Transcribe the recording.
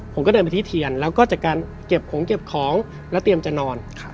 ผมก็เดินไปที่เทียนแล้วก็จากการเก็บของเก็บของแล้วเตรียมจะนอน